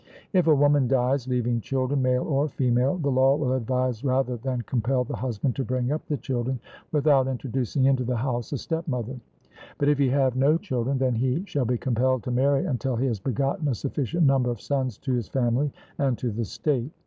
If a woman dies, leaving children, male or female, the law will advise rather than compel the husband to bring up the children without introducing into the house a stepmother. But if he have no children, then he shall be compelled to marry until he has begotten a sufficient number of sons to his family and to the state.